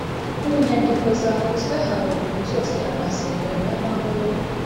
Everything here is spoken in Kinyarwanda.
Mu nyandiko zavuzwe haruguru zose amasezerano y amahoro